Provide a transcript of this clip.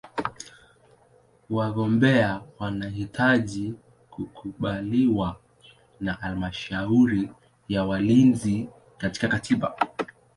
Wagombea wanahitaji kukubaliwa na Halmashauri ya Walinzi wa Katiba.